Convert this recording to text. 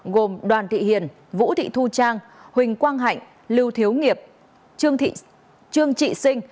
gồm đoàn thị hiền vũ thị thu trang huỳnh quang hạnh lưu thiếu nghiệp trương trị sinh